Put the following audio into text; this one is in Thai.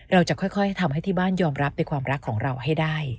เราจะค่อยทำให้ที่บ้านยอมรับในความรักของเราให้ได้